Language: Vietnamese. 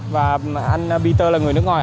và anh peter là người nước ngoài